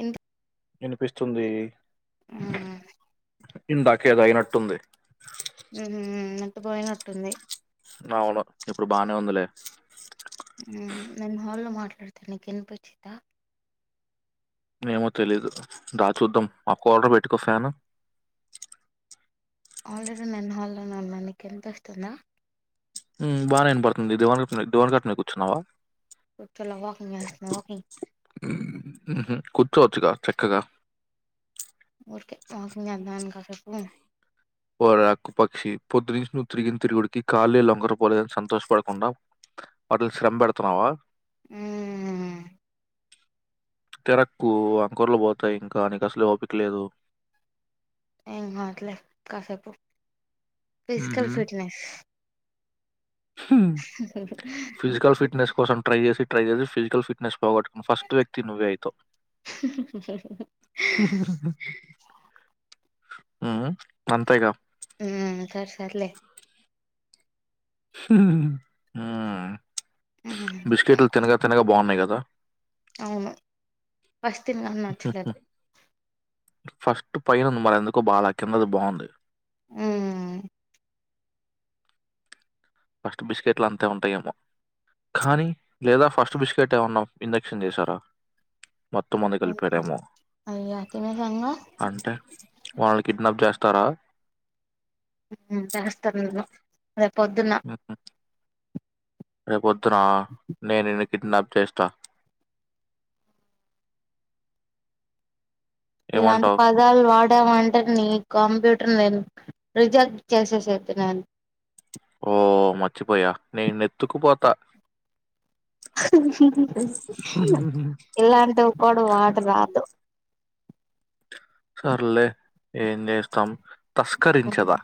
ఇంత వినిపిస్తుంది ఉహు ఇందాకేదో అయినట్టుంది ఎంత పోయినటుంది అవును ఇప్పుడు బాగానే ఉందిలే నేను హాల్లో మాట్లాడతా నీకు వినిపించిందా ఏమో తెలీదు దా చూద్దాం మాకు ఆర్డర్ పెట్టుకో ఫ్యాను ఆల్రెడీ నేను హాల్లోనే ఉన్నా నీకు వినిపిస్తుందా బాగానే వినబడుతుంది దివాన్ఘట్ దివాన్ కట్న కూర్చున్నావా తల వాకింగ్ చేస్తున్న వాకింగ్ చోచగా చక్కగా ఊరికే కాఫీ తెద్దామని కాసేపు లే ఓక్కు పక్షి పొద్దునుంచి నువ్వు తిరిగిన తిరుగుడికి కాళ్ళ లొకర పోలేదని సంతోషపడకుండా వాటిని శ్రమ పెడుతున్నావా ఆ తెరక్కు అంకురలు పోతాయి ఇంకా నీకు అసలు ఓపిక లేదు ఏం మాట్లె కాసేపు ఉహు ఫిజికల్ ఫిట్నెస్ హు ఫిజికల్ ఫిట్నేస్ కోసం ట్రై చేసి ట్రై చేసి ఫిజికల్ ఫిట్నెస్ పొగట్ ఫస్ట్ వ్యక్తి నువ్వే అయితవ్. ఉ అంతేగా ఉ సర్ సర్లే ఉ బిస్కెట్లు తినగా తినగా బావున్నాయ్ కదా. అవును, ఫస్ తిన్ నాక్ నచ్చలేదు. ఫస్ట్ పైనుంది. మరెందుకో బాల కిందది బావుంది. హు ఫస్ట్ బిస్కెట్లంతే ఉంటాయేమో, కానీ లేదా ఫస్ట్ బిస్కెటేమన్నా ఇంజక్షన్ చేసారా మొత్తం మందె కలిపారేమో, అయ్యా తినేసాంగా అంటే వాళ్ళు కిడ్నాప్ చేస్తారా. ఉ చేస్తర్ నిన్ను రేపొద్దున్న రేపు త్రా నేనిన్ ఇ కిడ్నాప్ చేస్తా ఇలాంటి ఏమంటావు? పదాలు వా వంటర్ని కంప్యూటర్ నేను రిజెక్ట్ చేసేసేద్దునని ఓ మర్చిపోయా నేనెత్తుకుపోతా ఇలాంటి ఒకోడు వాట రాదు. సర్లే ఏం జేస్తామ్. తస్కరించెదా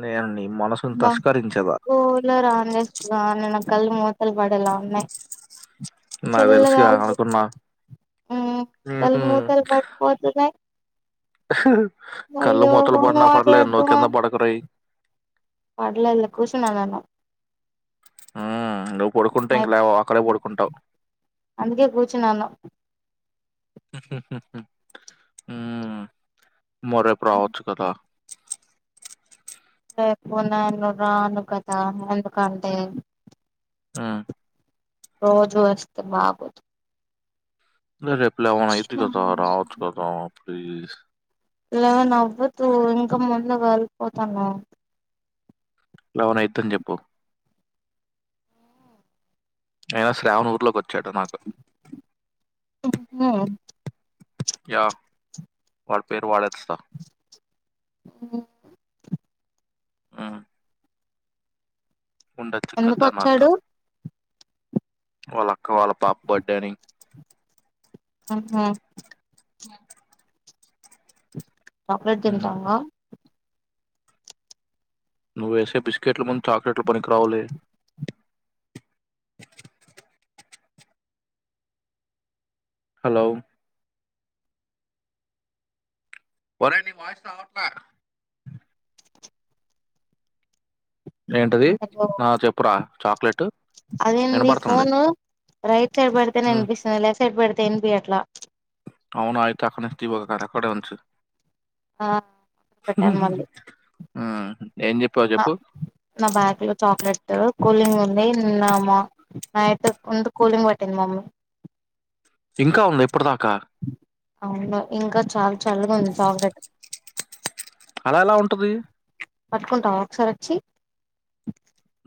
నే ని బ కోలర్ ఆన్ చేసుక్కునవ నిన కళ్ళు మూతలు పడేలా ఉన్నయ్. నాకు తెలుసుగా చల్లగాలి అనుకున్నా ఉ కళ్ళు హ్మ్. మూతలు పడిపోతున్నాయ్. కళ్ళు అయ్యో మూతలు ఫోన్ పడినా పర్లేదు మాట్లాడుతూ నువ్వు మా, కింద పడకురై మాట్లాడ్లే కూసున్నా నేను ఉ నువ్వు పడుకుంటే ఇంక లేవవ్, అక్కడే పడుకుంటావ్. అందుకే కూర్చున్నాను ఉ మరేప్ రావచ్చు కదా. లేకున్నా ను రాను కదా ఎందుకంటే మ్ రోజు వస్తె బాగోదు. రే రేప్ లెవెన్ అయిది గదా రావచ్చు కదా ప్లీజ్ లెవన్ అవ్వదు ఇంకా ముందు వెళ్ళిపోతాను లెవన ఐద్దని చెప్పు అయినా శ్రావణి ఊర్లోక్ చెటనాక్ ఉహు యా వాల్ పేర్ వాడే అస్త [unintelligible] ఉండచ్చు ఎందుకు కద్దానాథ వచ్చాడు వాళ్ళ అక్క వాళ్ళ పాప బర్త్డే అని ఉహు చాక్లెట్ తింటావా నువ్వు వేసే బిస్కెట్లు ముంద్ చాక్లెట్లు పనికిరావులే హలో ఒరేయ్ నీ వాయిస్ రావట్లా ఏంటిది ఆ చెప్పురా చాక్లేెట్ అదేంది ఫోను రైట్ సైడ్ పడితేనే వినిపిస్తది లె పెడితే ఇన్పియట్లా అవును అయితే అక్కడే [inaudible] ఉంచు ఆ పెట్టాను మళ్ళీ మ్ హ్ ఆ నా బ్యాగ్లో చాక్లెట్ కూలింగ్ ఉంది నిన్నా మా నైట్ ఉం కూలింగ్ పెట్టింది మమ్మీ ఇంకా ఉన్నాయి అవును ఇంకా చాల్ చల్లగా ఉంది చాక్లెట్ అలా ఎలా ఉంటది పట్కుంటావా ఒకసార్ వచ్చి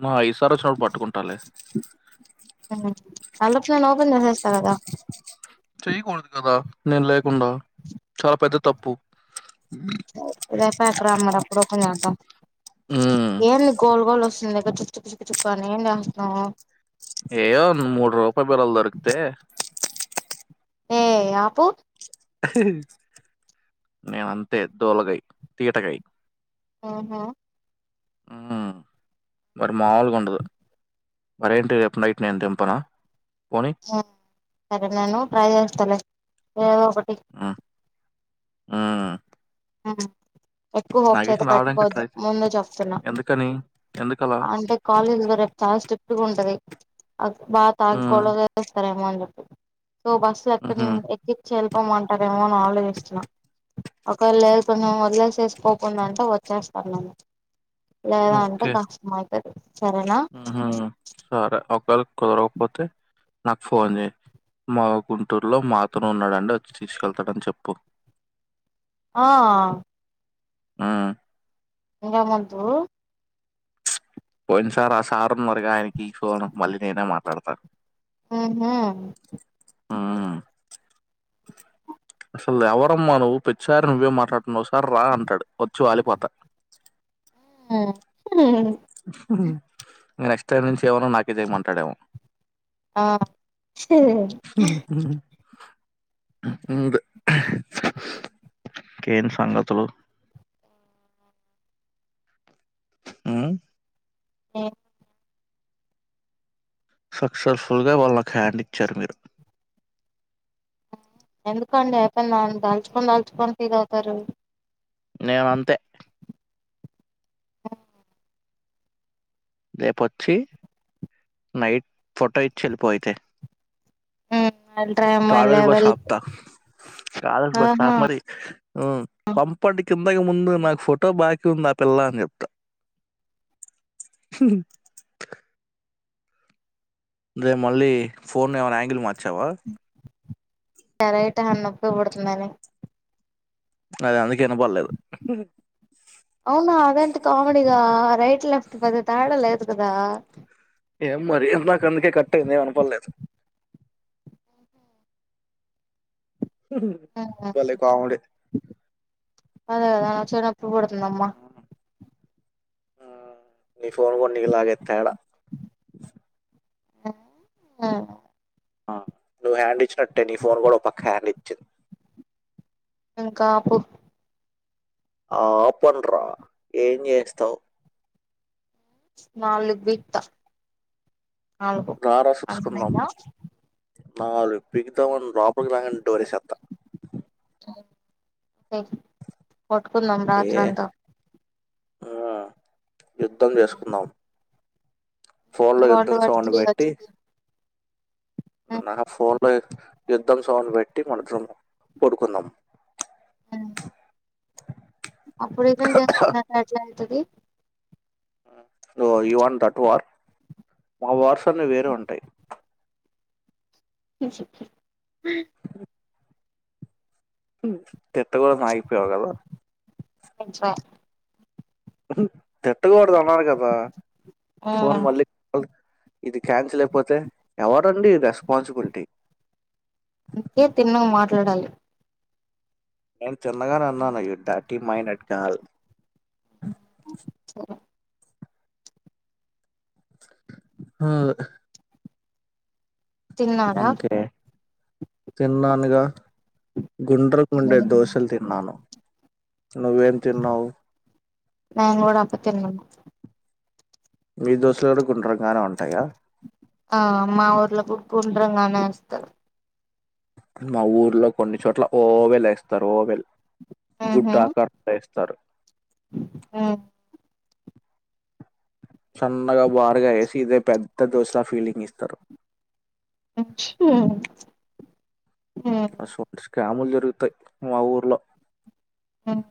మా ఈసార్ వచ్చిన్నప్పుడు పట్టుకుంటాలే [unintelligible] చెయ్యకూడదు కదా నేను లేకుండా చాలా పెద్ద తప్పు ప క రామ్మప్పుడు అంత ఉమ్, ఏంది గోల్ గోల్ వస్ నీ దగ్గర చుక్ చుక్ చుక్ చుక్ అని లేస్తామ్ ఏయ్యో మూడు రూపాయి బిళ్ళలు దొరికితే ఏ ఆపు నేనంతే దోలగై తీటకై మ్మ్ హ్మ్ మ్మ్ మరి మాల్ కొండదు మరి ఏంటో చెప్పు నైట్ నేను తెంపన సరే నను ట్రై చేస్తలే ఓ ఒకటి ఉమ్, ఉమ్, ఆ ఎక్కువ హోప్స్ అయితే నాగేకి రావడానికి పెట్టుకోవద్దు ట్రై చేయి ముందు చెప్తున్నా ఎందుకని ఎందుకలా అంటే కాలేజ్ లో రేపు చాలా స్ట్రీట్ ట్ ఉంటది అక్బా థాంక్స్ ఉమ్, గొలవ చేస్తారేం వాన్ లో సో బస్సులు హుహు. ఎక్కడనే ఎక్కిచ్చే ల్ తెమ్మంటారేమో అని ఆలోచిస్తున్నా ఒకవేళ లేదు కొంచెం వదిలేసేసి పోకుండా అంటే వచ్చేస్తాన్నాను లేదా అంటే కష్టమయిత్ ఓకే మ్మ్ సరే ఒకవేళ కుదరకపోతే నాకు ఫోన్ చేయ్ మా గుంటూరులో మాతోనే ఉన్నాడండి వచ్చి తీసుకెళ్తాడని చెప్పు ఆ ఆ ఇంగేమద్దు పోయిన సార్ ఆ సార్ ఉన్నారు గా ఆయనకి ఫోన్ మళ్ళీ నేనే మాట్లాడత ఆ హా మ్మ్ అసలు ఎవరమ్మా నువ్వు ప్రతిసారి నువ్వే మాట్లాడుతున్నావు ఒకసారి రా అంటాడు వచ్చి వాలిపోతా ఆ నెక్స్ట్ టైం నుంచి ఏమనో నాకే చెయ్ మంటడేమో ఆ ఇంగ్ కేన్ సంగతులు మ్మ్ సక్సెస్ఫుల్ గా వాళ్ళకు హ్యాండ్ ఇచ్చారు మీరు ఎందుక అండి అయిపోయినా దాల్చుకొని దాల్చుకొని ఫీల్ అవుతారు నేనంతే రేపొచ్చి నైట్ ఫోటో ఇచ్చి వెళ్ళిపో అయితే అల్ట్రా అమ్మాయి కాలేజీ బస్ లెవెల్ ఆప్త కాలేజీ బస్ ఆహా ఆపు మరి పంపటి కిందకి ముందు నాకు ఫోటో బాకీ ఉంది ఆ పిల్ల అని చెప్తా రే మళ్ళీ ఫోన్ ఏమైనా యాంగిల్ మార్ చ్చవా ఎర ఇట అన్నప్ప నొప్పి పుడుతుందని అదే అందుకే వినబడలేదు అవునా అదేంత కమెడిగా రైట్ లెఫ్ట్ పెద్ద తేడ లేదు కదా ఏం మరి నాకు అందుకే కట్టయింది ఏం వినపడలేదు భలే కామెడీ అదే అ వచ్చేటప్పుడు కొడుతుందమ్మా నీ ఫోన్ కూడా నీలాగే తేడా ఆ ఆ నువ్వు హ్యాండ్ ఇచ్చినట్టే నీ ఫోన్ కూడా ఓ పక్క హ్యాండ్ ఇచ్చింది ఇంకాపు ఆపండ్రా ఏం చేస్తావ్ నాలుగు బీక్ తా నాలుగు అర్ధం అయ్యింద మా వాళ్లు బిగతా వాళ్ళు లోపలికి రాగానే డోర్ వేసేస్తా కొట్టుకుందాం ఏ రాత్రంతా ఆ యుద్ధం చేసుకుందాం ఫోన్ లో వరల్డ్ యుద్ధం వార్ సౌండ్ త్రీ బట్టి వచ్చింది నా ఫోన్ యుద్ధం సౌండ్ పెట్టి కొంచెం పడుకుందాం అ అప్పుడు ఏదం చేస్తుకున్న ఎట్లా అయితది యువాన్ దట్వార్ మావర్స్ న్న వేరే ఉంటాయి హ తిట్టుకుడదు అని ఆగిపోయావ్ కదా అంచ పటుకోకుడద అన్నారు కదా ఫోన్ మళ్ళీ ఇది క్యాన్సిల్ అయిపోతే ఎవరండి రెస్పాన్సిబిలిటి. అంతే తిన్నగా మాట్లాడాలి. నేను చిన్నగానే అన్నాను. ఈ డాటి మైనట్ గాల్ [unintelligible] హ తిన్నారా ఇఓకే తిన్నానుగా గుండ్రకుండే దోశలు తిన్నాను. నువ్వేం తిన్నావు. నే కూడా అపో తిన్నా మీ దోసలు కూడా గుండ్రంగానే ఉంటాయా ఆ మా ఊర్లో గు గుండ్రంగానే వేస్తారు. మా ఊర్లో కొన్ని చోట్ల ఓవెల్ వేస్తారు ఓవెల్ గుడ్డాకస్త సారు ఆ సన్ బారగా ఏసితే పెద్ద ఇత్త దోస్లా ఫీల్డింగ్ ఇస్తారు. [unintelligible] స గ్యాములు జరుగుతాయి మా ఊర్లో. ఆ [unintelligible]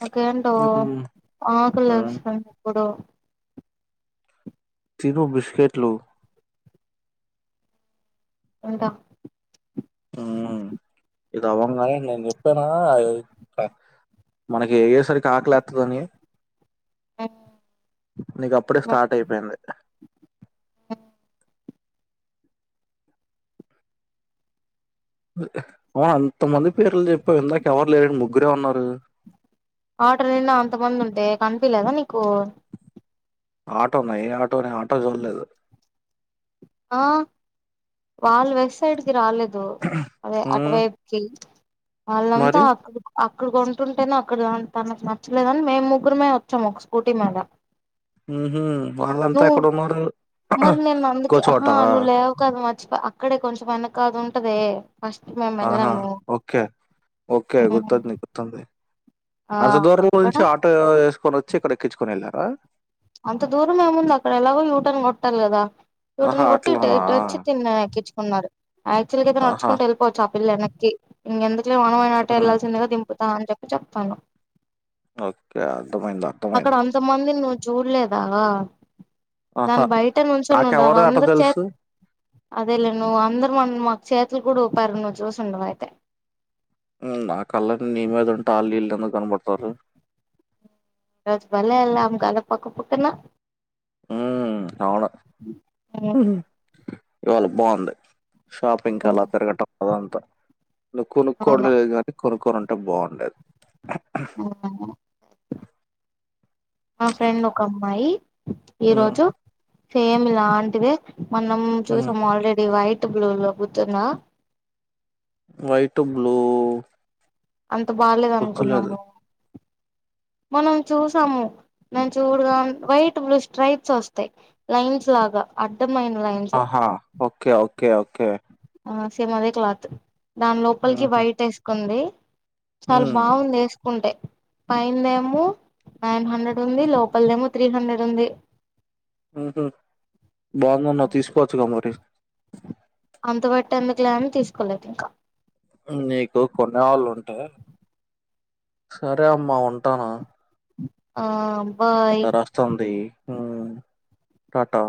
నాకేంటో హ్మ్ ఆకలి హ్మ్ వేస్తుంది ఇప్పుడు. తిను బిస్కెట్లు ఉంటా ఉ ఇది అవ్వగానే నేను చెప్పానా మనకి ఏ్యసరి కాకలేత్తదని నీకు అప్పుడే స్టార్ట్ అయిపోయింది. అవును అంతమంది పేర్లు చెప్పావ్ ఇందాక ఎవరు లేరుని ముగ్గురే ఉన్నారు. ఆటర్ నిన్న అంతమంది ఉంటే కనిపలేదా నీకు. ఆటోన్నా ఏ ఆటోనే ఆటో చూడలేదు. ఆ వాళ్ళు వెస్ సైడ్కి రాలేదు. అ అదే హ్మ్ అటవైపుకి వాళ్ళంతా మరి అక్కడ అక్కడ కొంటుంటేనే అక్కడ తనకు నచ్చలేదుని మేము ముగ్గురమే వచ్చాం ఒక స్కూటీ మీద. ఉహు వాళ్ళంతా అక్కడున్నారు. హా నువు లేవు క అక్కడే కొంచెం వెనక అది ఉంటది ఆహా ఓకే ఓకే గుర్తుంది గుర్తుంది ఆ అంత దూరం అక్కడ నుంచి ఆటో సుకొని వచ్చి ఇక్కడ ఎక్కించుకుని వెళ్ళారా అంత దూరం ఏముంది అక్కడ ఎలాగో యూటర్న్ గొట్టాలి గదా యు ఆహా టర్న్ గొట్ట ఇట్ అట్లనా ఇటొచ్చి తిన ఉన్నారు క్చుల్గ అయితే ఆహా నడుచుకుంట వెళ్ళొపోవచ్చు పల్ల కి ఇంగ ఎందు ఇ మనమైననాట హ్మ్. వెళ్లాల్సిగాిపుతా అని చెప్ప చెప్పను ఓకే అర్థమైంది అర్థమైంది జూల్లేదా ఆహా దాని బయట నుంచోనుండారు నాకెవరు అట అందరు చే తెలుసు అదేలే నువ్వు అందరు మ మాకు చే కూడా పారు ను చూసి ఉండవు అయితే నా కళని నీ మీద ఉంటా వాళ్ళీళ్ళందు కనబడుతారు రోజు బలే ఎల్లం కదా పక్క పక్కన ఉ అవును ఇవాళ బాగుంది షాపింగ్క్ అవును అలా తిరగటం అదంతా ను కొనుక్కోడంలేదు కానీ కొనుక్కొనింట అంట బాగుంటది అవునా ఒక అమ్మాయి ఈ రోజు సేమ్ లాంటిదే మనం చూసాం ఆల్రెడి వైట్ బడు పతున్నా వైట్ బ్లూ అంత బాలేదు గుర్తులేదు అనుకున్నాము మనం చూసాము నేను చూడగా వైట్ బ్లూ స్ట్రైట్స్ వస్తాయి లైన్స్ లాగా అడ్డమైన లైన్స్ ఆహా ఓకే ఓకే ఓకే ఓకే సేమదే క్లాత్ దాని లోపలికి హుహు. వైట్ వేసుకుంది చాలా హ్మ్. బాగుంది వేసుకుంటే పైన్ దేమో నైన్ హండ్రెడ్ ఉంది లోపల్ దేమో త్రీ హండ్రెడ్ ఉంది ఉహ బాగుందన్నా తీసుకోవచ్చుగా మరి అంత పెట్టీ ఎందుకు లేని తీసుకోలేదు ఇంకా నీకు కొనే వాళ్ళు ఉంటే సరే అమ్మా ఉంటాను ఆ బాయ్ ఎలా రాస్తాంది ఆ టాటా